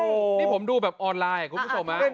นี่ผมดูแบบออนไลน์คุณผู้ชม